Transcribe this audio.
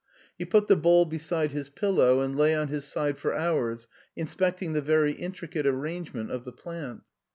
He put the bowl beside his pillow and lay on his side for hours inspecting the very intricate arrange ment of the plant.